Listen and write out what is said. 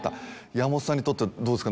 山本さんにとってどうですか？